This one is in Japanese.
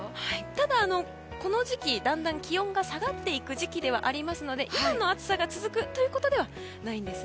ただこの時期だんだん気温が下がっていく時期ではありますので今の暑さが続くということではないです。